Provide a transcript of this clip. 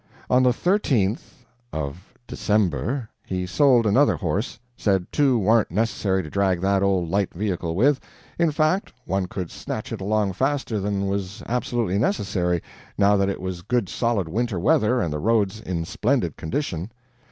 "On the 13th of December he sold another horse said two warn't necessary to drag that old light vehicle with in fact, one could snatch it along faster than was absolutely necessary, now that it was good solid winter weather and the roads in splendid condition.